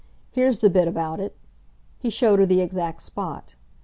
Here's the bit about it"—he showed her the exact spot.